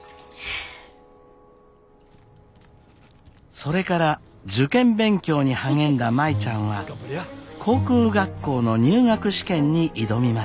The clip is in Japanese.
それから受験勉強に励んだ舞ちゃんは航空学校の入学試験に挑みました。